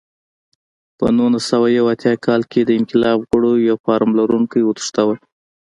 په نولس سوه یو اتیا کال کې د انقلاب غړو یو فارم لرونکی وتښتاوه.